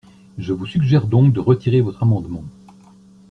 Je vous suggère donc de retirer votre amendement.